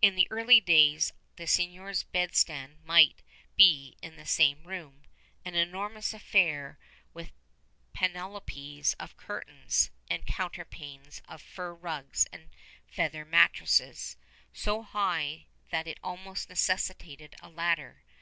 In the early days the seignior's bedstead might be in the same room, an enormous affair with panoplies of curtains and counterpanes of fur rugs and feather mattresses, so high that it almost necessitated a ladder.